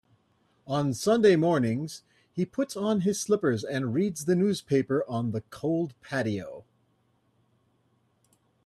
On Sunday mornings, he puts on his slippers and reads the newspaper on the cold patio.